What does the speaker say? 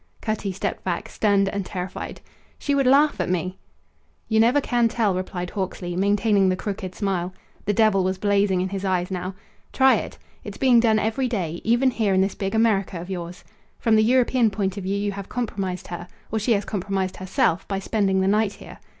Cutty stepped back, stunned and terrified. "She would laugh at me!" "You never can tell," replied Hawksley, maintaining the crooked smile. The devil was blazing in his eyes now. "Try it. It's being done every day; even here in this big America of yours. From the European point of view you have compromised her or she has compromised herself, by spending the night here.